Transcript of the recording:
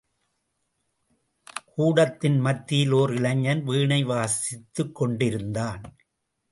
கூடத்தின் மத்தியிலே ஓர் இளைஞன் வீணை வாசித்துக் கொண்டிருந்தான்.